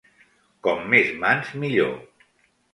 Com més mans, millor.